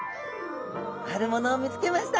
あるものを見つけました。